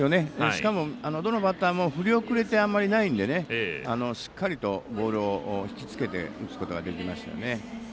しかも、どのバッターも振り遅れってあまりないのでしっかりとボールを引きつけて打つことができましたね。